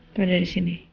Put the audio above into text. itu dari sini